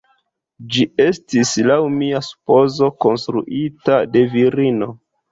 Ĝi estis, laŭ mia supozo, konstruita de virino.